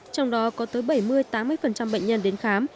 trong đó có tới bảy mươi tám mươi bệnh nhân đến khám